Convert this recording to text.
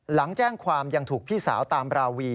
หลังแจ้งความยังถูกพี่สาวตามราวี